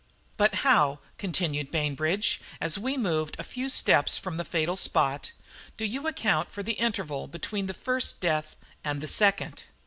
"But how," continued Bainbridge, as we moved a few steps from the fatal spot, "do you account for the interval between the first death and the second?"